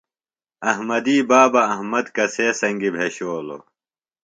احمدی بابہ احمد کسے سنگیۡ بھشولوۡ؟